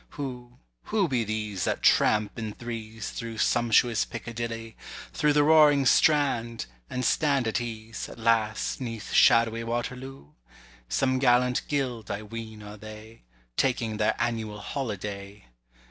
Who, who be these that tramp in threes Through sumptuous Piccadilly, through The roaring Strand, and stand at ease At last 'neath shadowy Waterloo? Some gallant Guild, I ween, are they; Taking their annual holiday.